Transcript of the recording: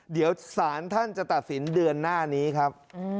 เดี๋ยวสารท่านจะตัดสินเดือนหน้านี้ครับ